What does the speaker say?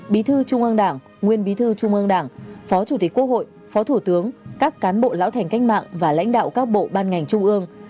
bí thư trung ương đảng nguyên bí thư trung ương đảng phó chủ tịch quốc hội phó thủ tướng các cán bộ lão thành cách mạng và lãnh đạo các bộ ban ngành trung ương